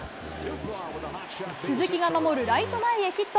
鈴木が守るライト前へヒット。